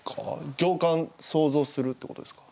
行間想像するってことですか？